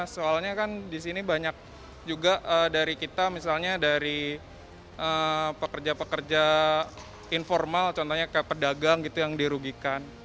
soalnya kan di sini banyak juga dari kita misalnya dari pekerja pekerja informal contohnya kayak pedagang gitu yang dirugikan